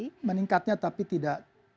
ya meningkatnya tapi tidak